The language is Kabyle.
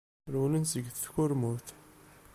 Rewlen-d seg tkurmut.